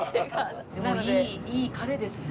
でもいい彼ですね。